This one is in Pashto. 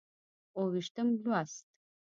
اووه ویشتم لوست